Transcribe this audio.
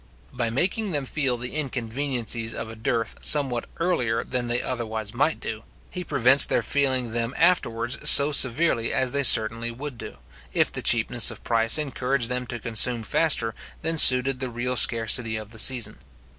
By making them feel the inconveniencies of a dearth somewhat earlier than they otherwise might do, he prevents their feeling them afterwards so severely as they certainly would do, if the cheapness of price encouraged them to consume faster than suited the real scarcity of the season.